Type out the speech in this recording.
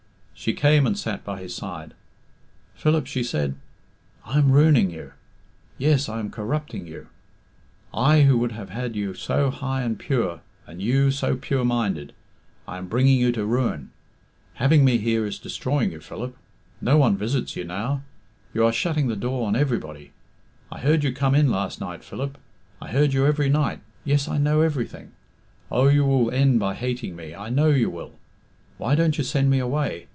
She came and sat by his side. "Philip," she said, "I am ruining you. Yes, I am corrupting you. I who would have had you so high and pure and you so pure minded I am bringing you to ruin. Having me here is destroying you, Philip. No one visits you now. You are shutting the door on everybody.... I heard you come in last night, Philip. I hear you every night. Yes, I know everything. Oh, you will end by hating me I know you will. Why don't you send me away?